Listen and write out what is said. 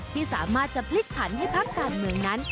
ที่สามารถจะพลิกผันให้พักการเมืองนั้น